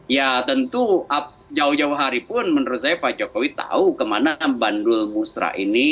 ya tentu jauh jauh hari pun menurut saya pak jokowi tahu kemana bandul musrah ini